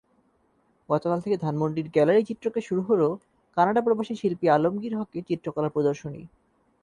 গতকাল থেকে ধানমন্ডির গ্যালারি চিত্রকে শুরু হলো কানাডাপ্রবাসী শিল্পী আলমগীর হকের চিত্রকলা প্রদর্শনী।